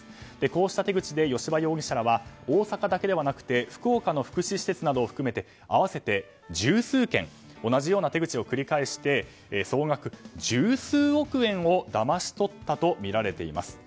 こうした手口で吉羽容疑者らは大阪だけではなくて福岡の福祉施設などを合わせて合わせて十数件同じような手口を繰り返して総額十数億円をだましとったとみられています。